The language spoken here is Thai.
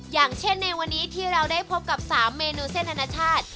อย่างเช่นในวันนี้ที่เราได้พบกับ๓เมนูเส้นอนาชาติ